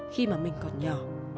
khi mà mình còn nhỏ